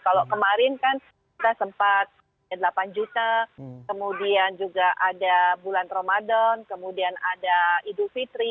kalau kemarin kan kita sempat delapan juta kemudian juga ada bulan ramadan kemudian ada idul fitri